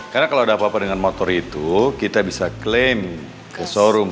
karena kalau udah apa apa dengan motor itu kita bisa klaim ke showroom